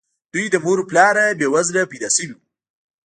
دوی له مور او پلاره بې وزله پيدا شوي وو.